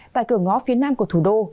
tại cửa ngõ phía nam của thủ đô